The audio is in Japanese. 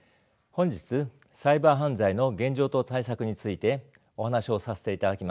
本日サイバー犯罪の現状と対策についてお話をさせていただきます